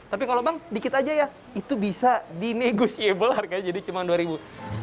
tapi kalau bang dikit aja ya itu bisa di negotiable harganya jadi cuma dua ribu